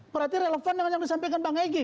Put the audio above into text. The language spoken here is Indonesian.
berarti relevan dengan yang disampaikan bang egy